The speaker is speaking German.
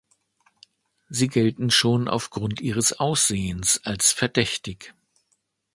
Sie gelten schon aufgrund ihres Aussehens als verdächtig!